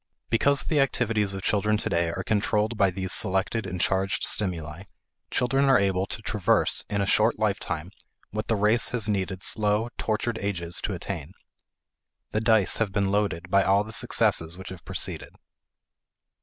Because the activities of children today are controlled by these selected and charged stimuli, children are able to traverse in a short lifetime what the race has needed slow, tortured ages to attain. The dice have been loaded by all the successes which have preceded.